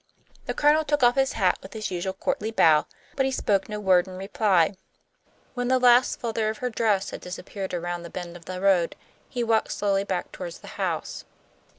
The Colonel took off his hat with his usual courtly bow, but he spoke no word in reply. When the last flutter of her dress had disappeared around the bend of the road, he walked slowly back toward the house.